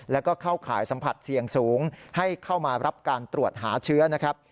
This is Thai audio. แล้วก็เข้าข่ายสัมผัสเสี่ยงสูงให้เข้ามารับการตรวจหาเชื้อนะครับ